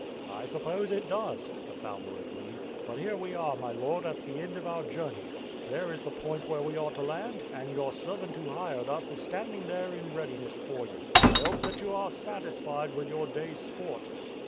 "I suppose it does," the fowler agreed. "But here we are, my lord, at the end of our journey. There is the point where we are to land, and your servant who hired us is standing there in readiness for you. I hope that you are satisfied with your day's sport."